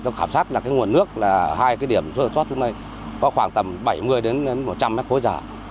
tôi khảo sát là nguồn nước là hai điểm xuất xuất xuống đây có khoảng tầm bảy mươi đến một trăm linh mét khối giảm